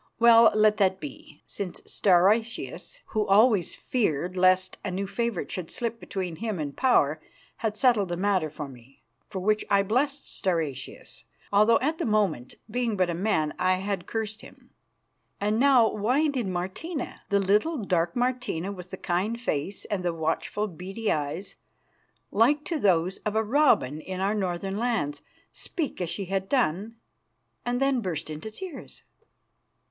Well, let that be, since Stauracius, who always feared lest a new favourite should slip between him and power, had settled the matter for me, for which I blessed Stauracius, although at the moment, being but a man, I had cursed him. And now why did Martina the little, dark Martina with the kind face and the watchful, beady eyes, like to those of a robin in our northern lands speak as she had done, and then burst into tears?